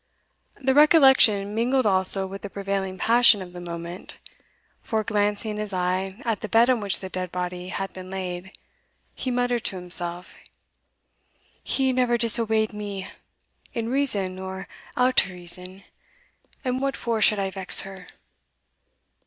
The recollection mingled also with the prevailing passion of the moment; for, glancing his eye at the bed on which the dead body had been laid, he muttered to himself, "He never disobeyed me, in reason or out o' reason, and what for should I vex her?"